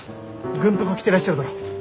軍服を着てらっしゃるだろ。